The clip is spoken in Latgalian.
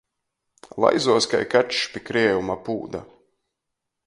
Laizuos kai kačs pi kriejuma pūda.